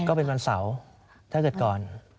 ก็เป็นวันเสาร์ถ้าเกิดก่อน